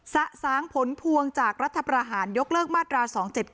สะสางผลพวงจากรัฐประหารยกเลิกมาตรา๒๗๙